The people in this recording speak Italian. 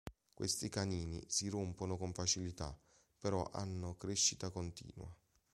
Questi canini si rompono con facilità, però hanno crescita continua.